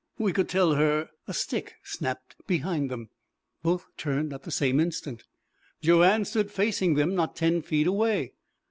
"We could tell her " A stick snapped behind them. Both turned at the same instant. Joanne stood facing them not ten feet away.